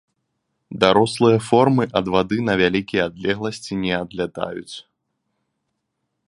Дарослыя формы ад вады на вялікія адлегласці не адлятаюць.